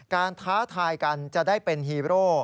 ท้าทายกันจะได้เป็นฮีโร่